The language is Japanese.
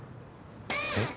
えっ。